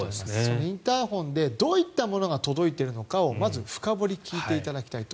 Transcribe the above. インターホンでどういったものが届いているのかをまず深掘り聞いていただきたいと。